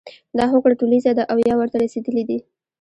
دا هوکړه ټولیزه ده او یا ورته رسیدلي دي.